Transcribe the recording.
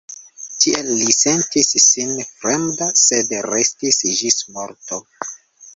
Tie li sentis sin fremda, sed restis ĝis morto.